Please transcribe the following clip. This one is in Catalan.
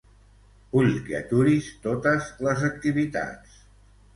Vull que aturis totes les activitats.